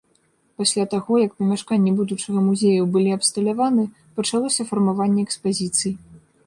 Пасля таго, як памяшканні будучага музею былі абсталяваны, пачалося фармаванне экспазіцый.